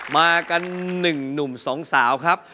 มากัน๑หนุ่มสองสาวครับ